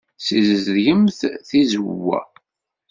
Ssizedgemt tizewwa.